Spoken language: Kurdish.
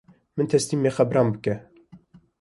Min teslîmê qebran bike